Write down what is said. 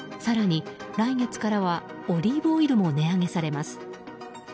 更に来月からはオリーブオイルも値上げされます。